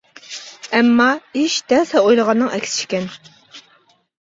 -ئەمما ئىش دەل سەن ئويلىغاننىڭ ئەكسىچە ئىكەن.